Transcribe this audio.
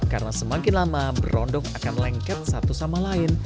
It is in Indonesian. karena semakin lama berondong akan lengket satu sama lain